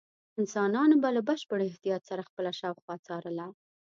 انسانانو به له بشپړ احتیاط سره خپله شاوخوا څارله.